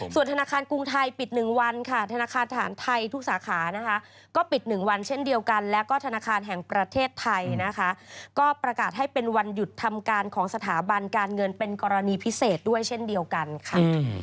ส่วนธนาคารกรุงไทยปิด๑วันค่ะธนาคารทหารไทยทุกสาขานะคะก็ปิด๑วันเช่นเดียวกันแล้วก็ธนาคารแห่งประเทศไทยนะคะก็ประกาศให้เป็นวันหยุดทำการของสถาบันการเงินเป็นกรณีพิเศษด้วยเช่นเดียวกันค่ะ